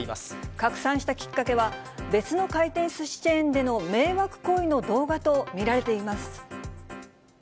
拡散したきっかけは、別の回転すしチェーンでの迷惑行為の動画と見られています。